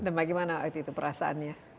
dan bagaimana waktu itu perasaan ya